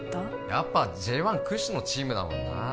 やっぱＪ１屈指のチームだもんなあ